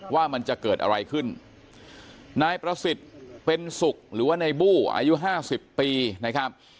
ว่ามันจะเกิดอะไรขึ้นนายประสิทธิ์เป็นสุขหรือว่าในบู้อายุห้าสิบปีนะครับ